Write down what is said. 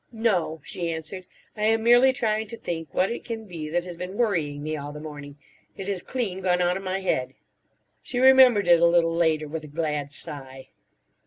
"No," she answered, "I am merely trying to think what it can be that has been worrying me all the morning. It has clean gone out of my head." She remembered it a little later with a glad sigh.